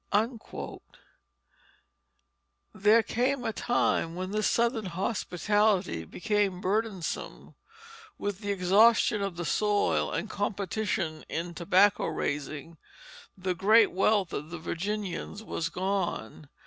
There came a time when this Southern hospitality became burdensome. With the exhaustion of the soil and competition in tobacco raising, the great wealth of the Virginians was gone.